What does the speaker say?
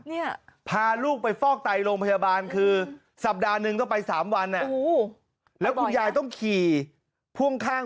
เนี่ยพาลูกไปฟอกไตโรงพยาบาลคือสัปดาห์หนึ่งต้องไปสามวันอ่ะแล้วคุณยายต้องขี่พ่วงข้าง